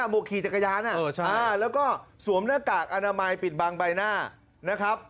มูกขี่จากกระยานแล้วก็สวมหน้ากากอนามัยปิดบางใบหน้า